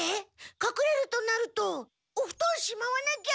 かくれるとなるとおふとんしまわなきゃ。